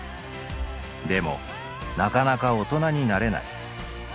でもなかなか大人になれない。